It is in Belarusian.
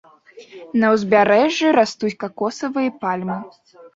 На ўзбярэжжы растуць какосавыя пальмы.